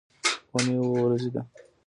اونۍ اووه ورځې ده